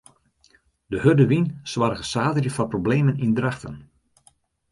De hurde wyn soarge saterdei foar problemen yn Drachten.